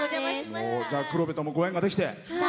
黒部ともご縁ができて。